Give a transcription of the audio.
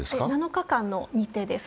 ７日間の日程です。